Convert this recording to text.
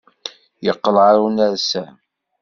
Yeqqel ɣer unersam.